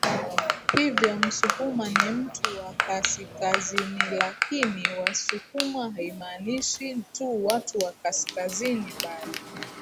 Hivyo Msukuma ni mtu wa Kasikazinilakini Wasukuma haimaanishi tu watu wa kaskazini bali